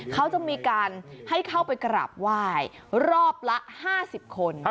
เขาจะมีการให้เข้าไปกราบไหว้รอบละ๕๐คน